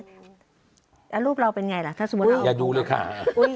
แล้วรูปเราเป็นไงล่ะถ้าสมมุติอย่าดูเลยค่ะ